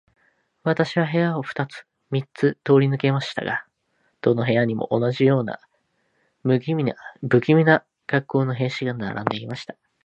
私たちは部屋を二つ三つ通り抜けましたが、どの部屋にも、同じような無気味な恰好の兵士が並んでいました。